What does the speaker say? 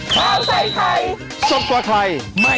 โปรดติดตามตอนต่อไป